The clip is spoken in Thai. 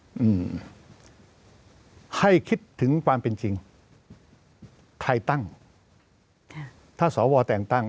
อืมให้คิดถึงความเป็นจริงใครตั้งค่ะถ้าสวแต่งตั้ง